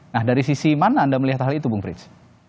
nah dari sisi mana anda melihat hal itu bung frits